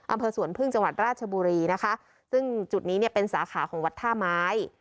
อำเภอสวนพึ่งจังหวัดราชบุรีนะคะซึ่งจุดนี้เนี่ยเป็นสาขาของวัดท่าไม้